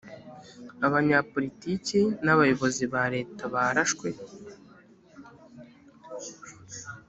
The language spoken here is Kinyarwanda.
abanyapolitiki n abayobozi ba leta barashwe